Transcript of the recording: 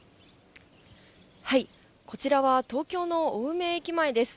こちらは東京の青梅駅前です。